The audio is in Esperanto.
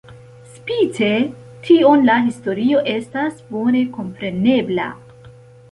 Spite tion la historio estas bone komprenebla.